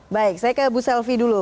baik saya ke bu selvi dulu